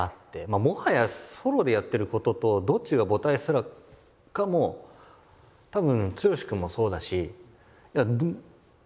もはやソロでやってることとどっちが母体すらかもたぶん剛君もそうだしいやどっちもだよって。